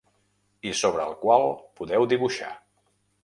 I sobre el qual podeu dibuixar.